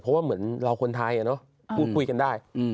เพราะว่าเหมือนเราคนไทยพูดคุยกันได้